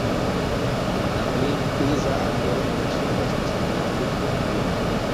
La plej peza afero en ĝi estas mia poŝtelefono.